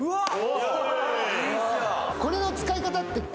これの使い方って。